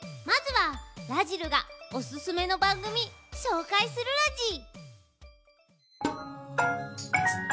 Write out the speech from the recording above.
まずは、らじるがおすすめの番組、紹介するラジ！